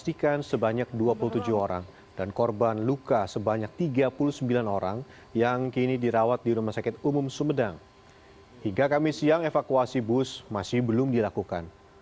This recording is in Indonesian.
hingga kamis siang evakuasi bus masih belum dilakukan